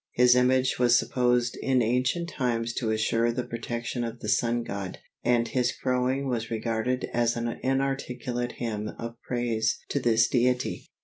His image was supposed in ancient times to assure the protection of the sun god, and his crowing was regarded as an inarticulate hymn of praise to this deity.